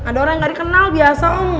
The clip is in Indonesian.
ada orang yang gak dikenal biasa om